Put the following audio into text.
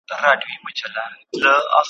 ته د ورکو حورو یار یې له غلمان سره همزولی `